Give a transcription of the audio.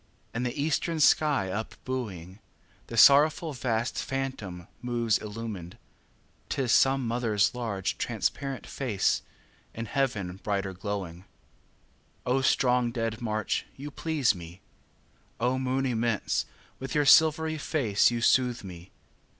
7. In the eastern sky up buoying, The sorrowful vast phantom moves illumined, 'Tis some mother's large, transparent face, In heaven brighter growing. 8. O strong dead march, you please me! O moon immense, with your silvery face you soothe me!